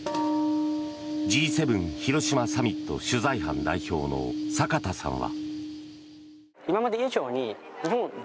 Ｇ７広島サミット取材班代表の坂田さんは。